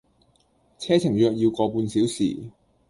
車程約要個半小時